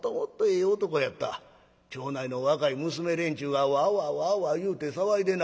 町内の若い娘連中はワーワーワーワー言うて騒いでなはる。